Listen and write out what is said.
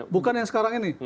bukan yang sekarang ini